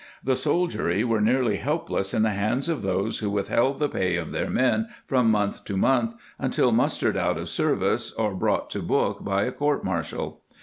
The soldiery were nearly helpless in the hands of those who withheld the pay of their men from month to month until mustered out of service or brought to book by a court martial.